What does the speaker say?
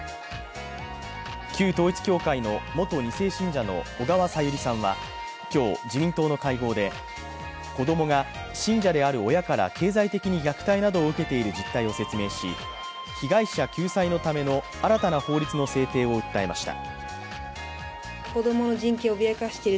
旧統一教会の元２世信者の小川さゆりさんは今日自民党の会合で、子供が信者である親から経済的に虐待を受けている実態を説明し、被害者救済のための新たな法律の制定を訴えました。